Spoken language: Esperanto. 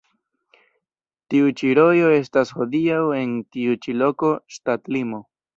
Tiu ĉi rojo estas hodiaŭ en tiu ĉi loko ŝtatlimo.